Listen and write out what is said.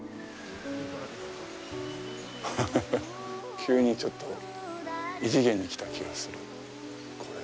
急にちょっと異次元に来た気がする。